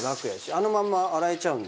あのまんま洗えちゃうんで。